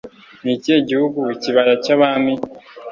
Ni ikihe gihugu Ikibaya cy'Abami?